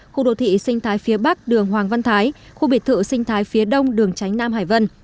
khu đô thị sinh thái phía bắc đường hoàng văn thái khu biệt thự sinh thái phía đông đường tránh nam hải vân